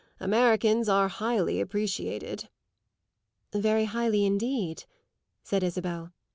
Americans are highly appreciated." "Very highly indeed," said Isabel.